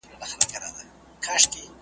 ته به هم کله زلمی وې په همزولو کي ښاغلی .